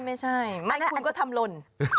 ไม่ใช่ไม่คุณก็ทำหล่น